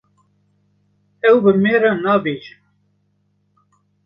Ew bi me re nabêjin.